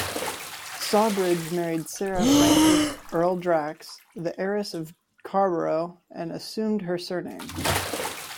Sawbridge married Sarah Frances Erle-Drax, the heiress of Charborough, and assumed her surname.